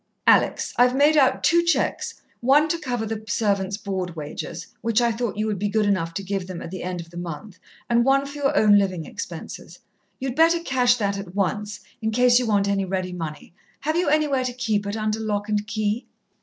"Alex, I've made out two cheques one to cover the servants' board wages, which I thought you would be good enough to give them at the end of the month, and one for your own living expenses. You'd better cash that at once, in case you want any ready money. Have you anywhere to keep it under lock and key?"